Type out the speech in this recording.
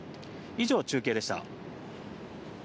以上、中継でした。